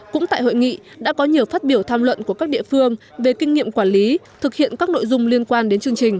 cũng tại hội nghị đã có nhiều phát biểu tham luận của các địa phương về kinh nghiệm quản lý thực hiện các nội dung liên quan đến chương trình